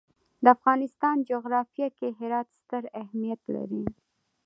د افغانستان جغرافیه کې هرات ستر اهمیت لري.